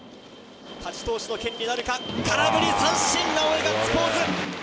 勝ち投手の権利なるか、空振り三振、直江、ガッツポーズ。